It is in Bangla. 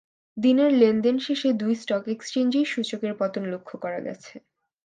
দিনের লেনদেন শেষে দুই স্টক এক্সচেঞ্জেই সূচকের পতন লক্ষ করা গেছে।